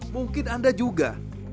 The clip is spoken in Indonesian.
mungkin anda juga